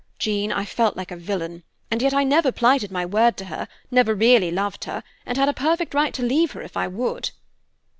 Jean, I felt like a villain; and yet I never plighted my word to her, never really loved her, and had a perfect right to leave her, if I would."